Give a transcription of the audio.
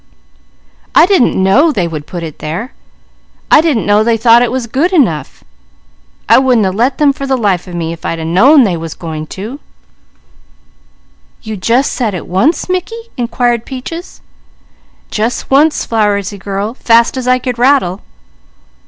I didn't know they would put it there. I didn't know they thought it was good enough. I wouldn't a let them for the life of them, if I'd known they was going to." "You jus' said it once, Mickey?" inquired Peaches. "Jus' once, Flowersy girl, fast as I could rattle."